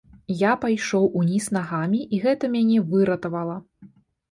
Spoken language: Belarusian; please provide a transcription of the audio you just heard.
Я пайшоў уніз нагамі, і гэта мяне выратавала.